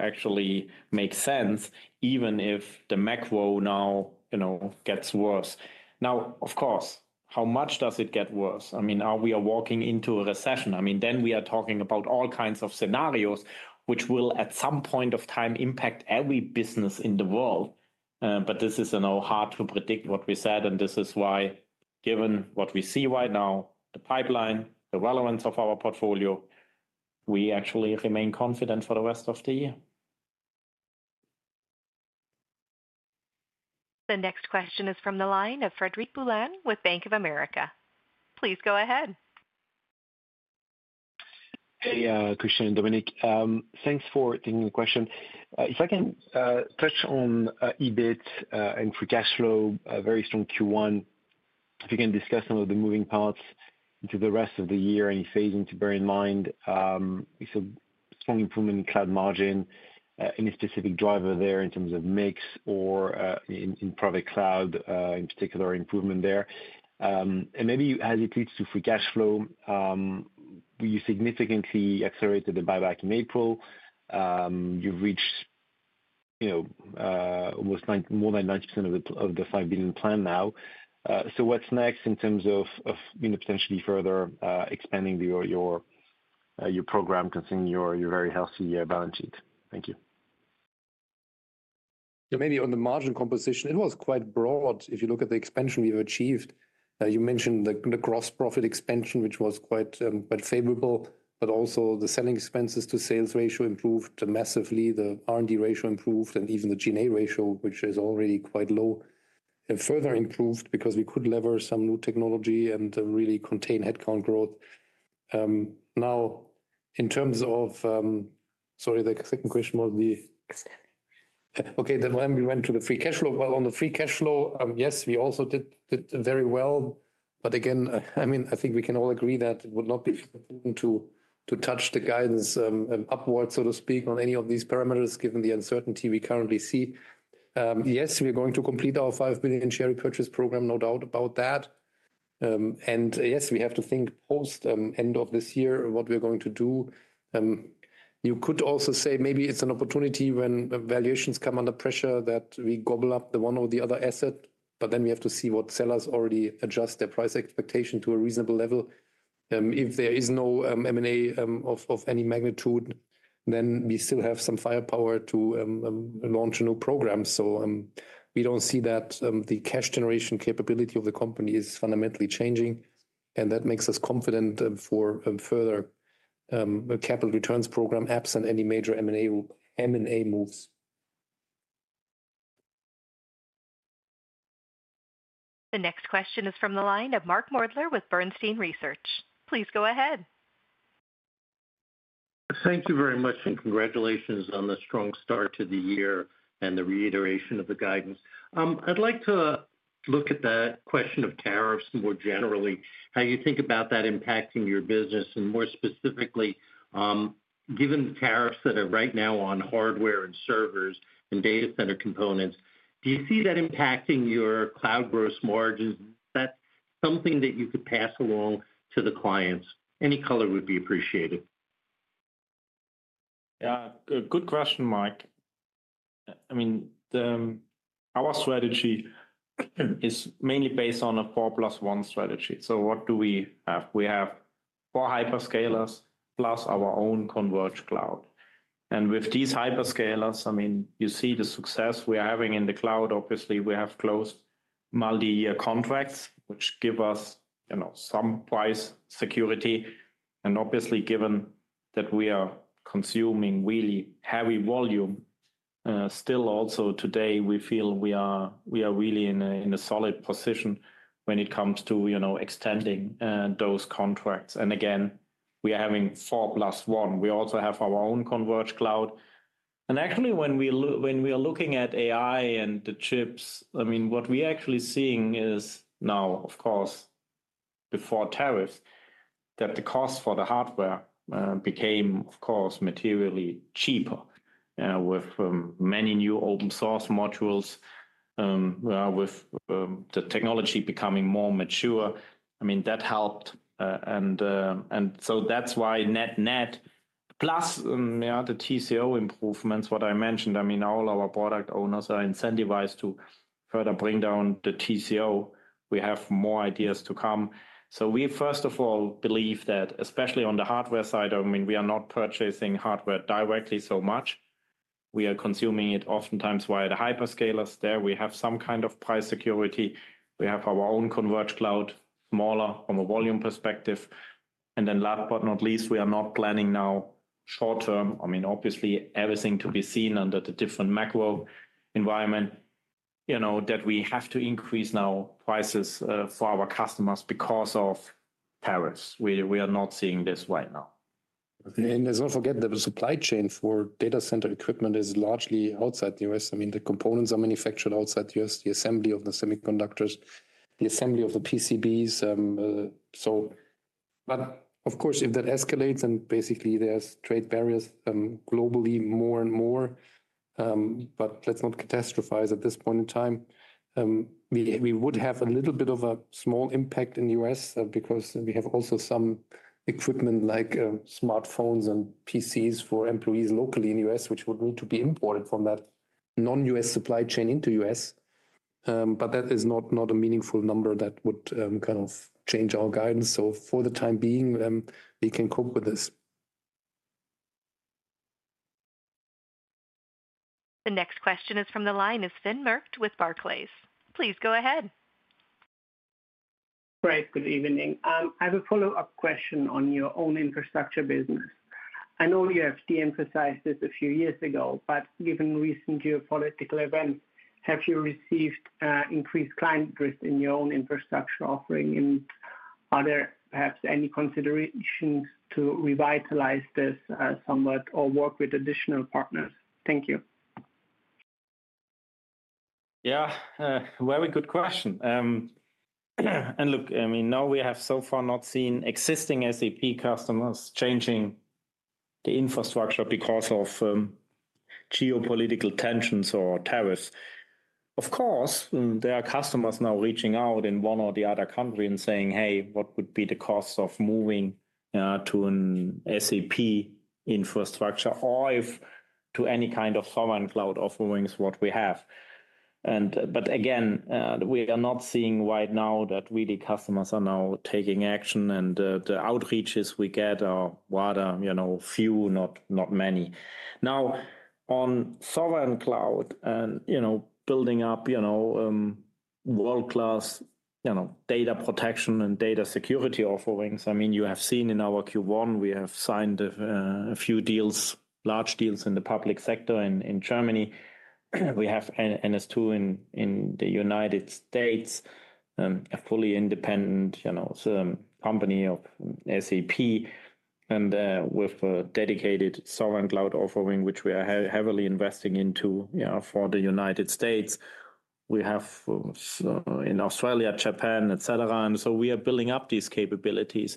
actually make sense even if the macro now gets worse. Of course, how much does it get worse? I mean, are we walking into a recession? I mean, we are talking about all kinds of scenarios which will at some point of time impact every business in the world. This is hard to predict what we said. This is why, given what we see right now, the pipeline, the relevance of our portfolio, we actually remain confident for the rest of the year. The next question is from the line of Frederic Boulan with Bank of America. Please go ahead. Hey, Christian and Dominic, thanks for taking the question. If I can touch on EBIT and free cash flow, very strong Q1. If you can discuss some of the moving parts into the rest of the year, any phasing to bear in mind, it's a strong improvement in cloud margin, any specific driver there in terms of mix or in private cloud, in particular improvement there. Maybe as it leads to free cash flow, you significantly accelerated the buyback in April. You've reached almost more than 90% of the 5 billion plan now. What's next in terms of potentially further expanding your program considering your very healthy balance sheet? Thank you. Yeah, maybe on the margin composition, it was quite broad. If you look at the expansion we've achieved, you mentioned the gross profit expansion, which was quite favorable, but also the selling expenses to sales ratio improved massively. The R&D ratio improved and even the G&A ratio, which is already quite low, further improved because we could lever some new technology and really contain headcount growth. Now, in terms of, sorry, the second question was the. Okay, when we went to the free cash flow, on the free cash flow, yes, we also did very well. Again, I mean, I think we can all agree that it would not be important to touch the guidance upward, so to speak, on any of these parameters given the uncertainty we currently see. Yes, we're going to complete our $5 billion share purchase program, no doubt about that. Yes, we have to think post end of this year what we're going to do. You could also say maybe it's an opportunity when valuations come under pressure that we gobble up the one or the other asset. We have to see what sellers already adjust their price expectation to a reasonable level. If there is no M&A of any magnitude, we still have some firepower to launch a new program. We do not see that the cash generation capability of the company is fundamentally changing. That makes us confident for further capital returns program apps and any major M&A moves. The next question is from the line of Mark L. Moerdler with Bernstein Research. Please go ahead. Thank you very much and congratulations on the strong start to the year and the reiteration of the guidance. I'd like to look at that question of tariffs more generally, how you think about that impacting your business. More specifically, given the tariffs that are right now on hardware and servers and data center components, do you see that impacting your cloud gross margins? Is that something that you could pass along to the clients? Any color would be appreciated. Yeah, good question, Mike. I mean, our strategy is mainly based on a four plus one strategy. So what do we have? We have four hyperscalers plus our own converged cloud. With these hyperscalers, I mean, you see the success we are having in the cloud. Obviously, we have closed multi-year contracts, which give us some price security. Obviously, given that we are consuming really heavy volume, still also today, we feel we are really in a solid position when it comes to extending those contracts. Again, we are having four plus one. We also have our own converged cloud. Actually, when we are looking at AI and the chips, what we are actually seeing is now, of course, before tariffs, that the cost for the hardware became, of course, materially cheaper with many new open source modules, with the technology becoming more mature. I mean, that helped. That is why net net plus the TCO improvements, what I mentioned, all our product owners are incentivized to further bring down the TCO. We have more ideas to come. We, first of all, believe that, especially on the hardware side, we are not purchasing hardware directly so much. We are consuming it oftentimes via the hyperscalers. There we have some kind of price security. We have our own converged cloud, smaller from a volume perspective. Last but not least, we are not planning now short term. I mean, obviously, everything to be seen under the different macro environment that we have to increase now prices for our customers because of tariffs. We are not seeing this right now. Let's not forget that the supply chain for data center equipment is largely outside the U.S. I mean, the components are manufactured outside the U.S., the assembly of the semiconductors, the assembly of the PCBs. Of course, if that escalates, then basically there are trade barriers globally more and more. Let's not catastrophize at this point in time. We would have a little bit of a small impact in the U.S. because we have also some equipment like smartphones and PCs for employees locally in the U.S., which would need to be imported from that non-U.S. supply chain into the U.S. That is not a meaningful number that would kind of change our guidance. For the time being, we can cope with this. The next question is from the line of Philipp Mertens with Barclays. Please go ahead. Great. Good evening. I have a follow-up question on your own infrastructure business. I know you have de-emphasized this a few years ago, but given recent geopolitical events, have you received increased client interest in your own infrastructure offering? And are there perhaps any considerations to revitalize this somewhat or work with additional partners? Thank you. Yeah, very good question. Look, I mean, no, we have so far not seen existing SAP customers changing the infrastructure because of geopolitical tensions or tariffs. Of course, there are customers now reaching out in one or the other country and saying, "Hey, what would be the cost of moving to an SAP infrastructure or to any kind of sovereign cloud offerings what we have?" Again, we are not seeing right now that really customers are now taking action and the outreaches we get are rather few, not many. Now, on sovereign cloud and building up world-class data protection and data security offerings, I mean, you have seen in our Q1, we have signed a few deals, large deals in the public sector in Germany. We have NS2 in the United States, a fully independent company of SAP, and with a dedicated sovereign cloud offering, which we are heavily investing into for the United States. We have in Australia, Japan, etc. We are building up these capabilities.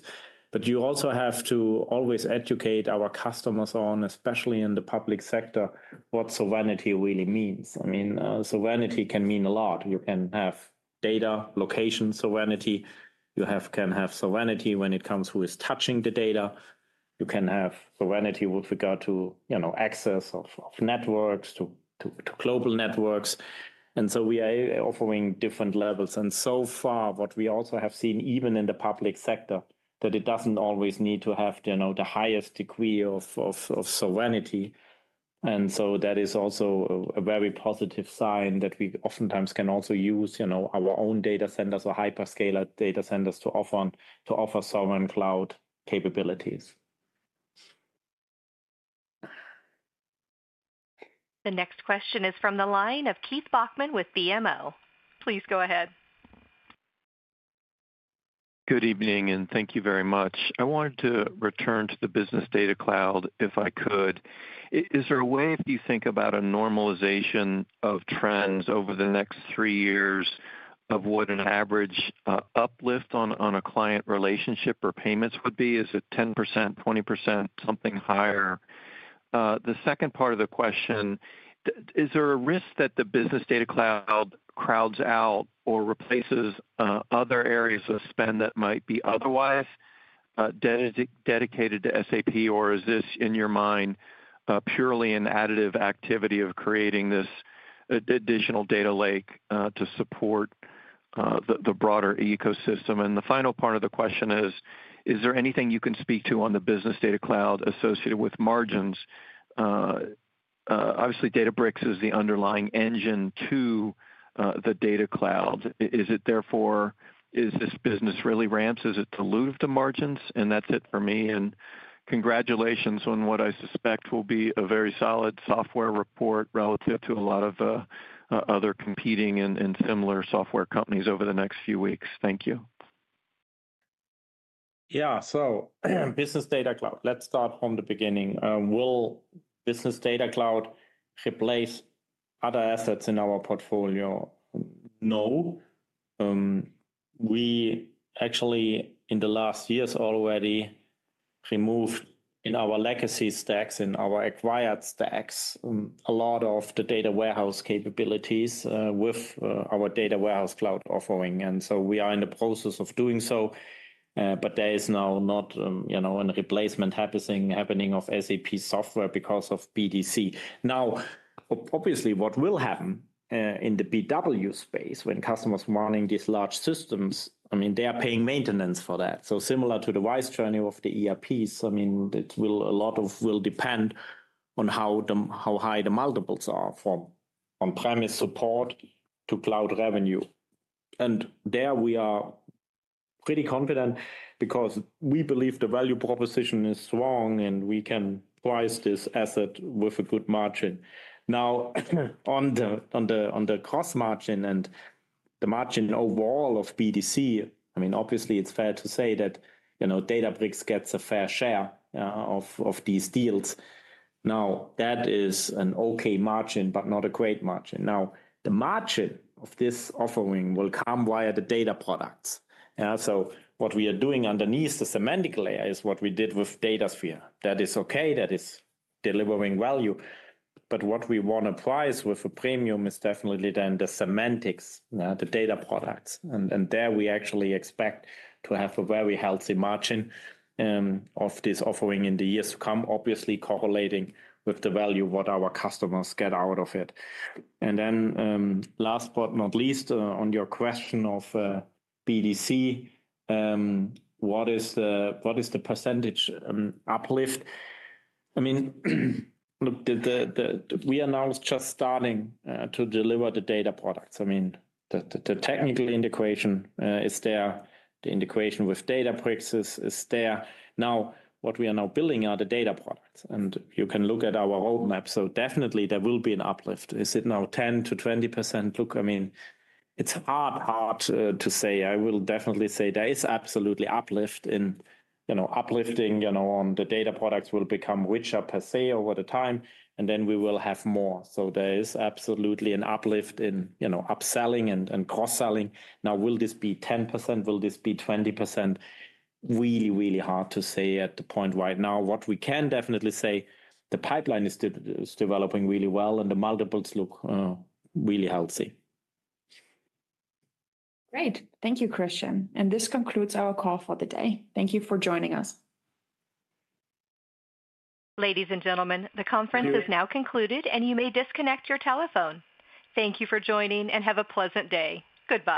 You also have to always educate our customers on, especially in the public sector, what sovereignty really means. I mean, sovereignty can mean a lot. You can have data location sovereignty. You can have sovereignty when it comes to touching the data. You can have sovereignty with regard to access of networks to global networks. We are offering different levels. So far, what we also have seen, even in the public sector, is that it does not always need to have the highest degree of sovereignty. That is also a very positive sign that we oftentimes can also use our own data centers or hyperscaler data centers to offer sovereign cloud capabilities. The next question is from the line of Keith Bachman with BMO. Please go ahead. Good evening and thank you very much. I wanted to return to the Business Data Cloud if I could. Is there a way, if you think about a normalization of trends over the next three years of what an average uplift on a client relationship or payments would be? Is it 10%, 20%, something higher? The second part of the question, is there a risk that the Business Data Cloud crowds out or replaces other areas of spend that might be otherwise dedicated to SAP, or is this, in your mind, purely an additive activity of creating this additional data lake to support the broader ecosystem? The final part of the question is, is there anything you can speak to on the Business Data Cloud associated with margins? Obviously, Databricks is the underlying engine to the data cloud. Is it therefore, as this business really ramps, is it dilutive to margins? That is it for me. Congratulations on what I suspect will be a very solid software report relative to a lot of other competing and similar software companies over the next few weeks. Thank you. Yeah, business data cloud, let's start from the beginning. Will business data cloud replace other assets in our portfolio? No. We actually, in the last years, already removed in our legacy stacks, in our acquired stacks, a lot of the data warehouse capabilities with our data warehouse cloud offering. We are in the process of doing so. There is now not a replacement happening of SAP software because of BDC. Obviously, what will happen in the BW space when customers are running these large systems? I mean, they are paying maintenance for that. Similar to the wise journey of the ERPs, I mean, a lot will depend on how high the multiples are for on-premise support to cloud revenue. There we are pretty confident because we believe the value proposition is strong and we can price this asset with a good margin. Now, on the gross margin and the margin overall of BDC, I mean, obviously, it's fair to say that Databricks gets a fair share of these deals. That is an okay margin, but not a great margin. The margin of this offering will come via the data products. What we are doing underneath the semantic layer is what we did with Datasphere. That is okay. That is delivering value. What we want to price with a premium is definitely then the semantics, the data products. There we actually expect to have a very healthy margin of this offering in the years to come, obviously correlating with the value of what our customers get out of it. Last but not least, on your question of BDC, what is the percentage uplift? I mean, look, we are now just starting to deliver the data products. I mean, the technical integration is there. The integration with Databricks is there. Now, what we are now building are the data products. You can look at our roadmap. Definitely, there will be an uplift. Is it now 10-20%? Look, I mean, it's hard to say. I will definitely say there is absolutely uplift in uplifting on the data products will become richer per se over the time. We will have more. There is absolutely an uplift in upselling and cross-selling. Now, will this be 10%? Will this be 20%? Really, really hard to say at the point right now. What we can definitely say, the pipeline is developing really well and the multiples look really healthy. Great. Thank you, Christian. This concludes our call for the day. Thank you for joining us. Ladies and gentlemen, the conference is now concluded and you may disconnect your telephone. Thank you for joining and have a pleasant day. Goodbye.